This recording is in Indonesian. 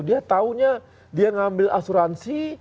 dia taunya dia ngambil asuransi